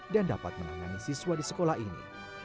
dan dapat menangani siswa di sekolah ini